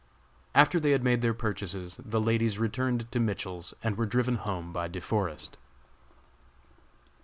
After they had made their purchases the ladies returned to Mitchell's and were driven home by De Forest.